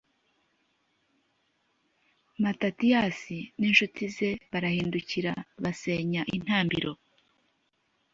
matatiyasi n'incuti ze barahindukira, basenya intambiro